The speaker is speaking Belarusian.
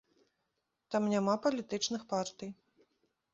Там няма палітычных партый.